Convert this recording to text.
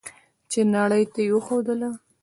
چې نړۍ ته یې وښودله.